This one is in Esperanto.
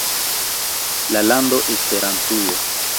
La lando Esperantujo.